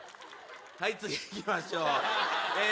はい次いきましょうええ